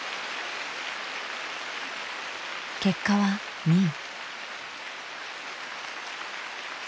結果は２位。